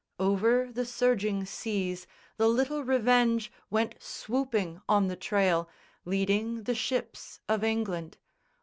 Over the surging seas The little Revenge went swooping on the trail, Leading the ships of England.